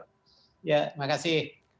ya terima kasih